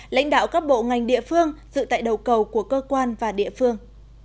lãnh đạo các bộ ngành địa phương dự tại đầu cầu của cơ quan và địa phương